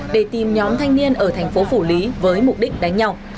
để tìm nhóm thanh niên ở thành phố phủ lý với mục đích đánh nhau